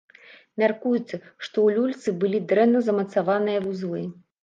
Мяркуецца, што ў люльцы былі дрэнна замацаваныя вузлы.